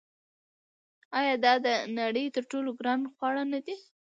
آیا دا د نړۍ تر ټولو ګران خواړه نه دي؟